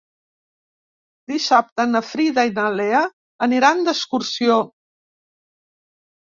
Dissabte na Frida i na Lea aniran d'excursió.